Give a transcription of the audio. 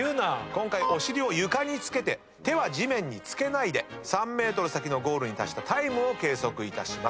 今回お尻を床に着けて手は地面に着けないで３ｍ先のゴールに達したタイムを計測いたします。